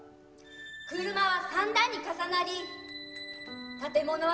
車は三段に重なり、建物は